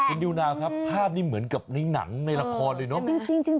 คุณนิวนาวครับภาพนี้เหมือนกับในหนังในละครเลยเนอะ